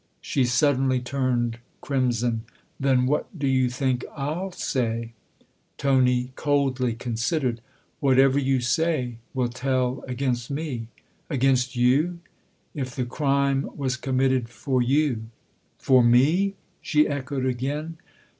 She suddenly turned crimson. "Then what do you think Til say ?" Tony coldly considered. " Whatever you say will tell against me." " Against you ?"" If the crime was committed for you." "' For ' me ?" she echoed again.